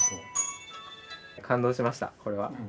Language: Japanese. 感動しましたこれは。